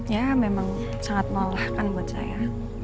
ya memang sangat melelahkan buat saya